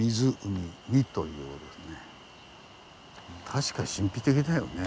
確かに神秘的だよね。